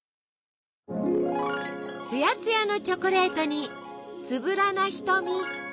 つやつやのチョコレートにつぶらな瞳。